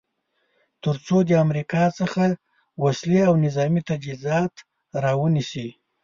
تر څو د امریکا څخه وسلې او نظامې تجهیزات را ونیسي.